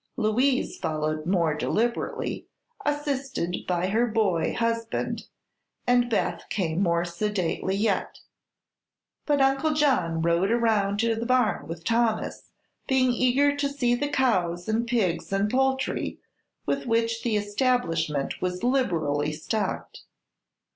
Louise followed more deliberately, assisted by her boy husband, and Beth came more sedately yet. But Uncle John rode around to the barn with Thomas, being eager to see the cows and pigs and poultry with which the establishment was liberally stocked.